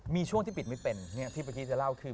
มีช่วงที่ปิดไม่เป็นที่เมื่อกี้จะเล่าคือ